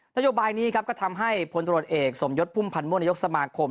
นโยบายนี้ครับก็ทำให้พลตรวจเอกสมยศพุ่มพันธ์ม่นายกสมาคม